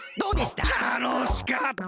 たのしかった！